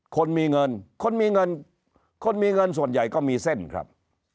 คนมีเงินคนมีเงินคนมีเงินส่วนใหญ่ก็มีเส้นครับ